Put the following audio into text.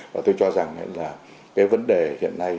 và tôi cho rằng là cái vấn đề hiện nay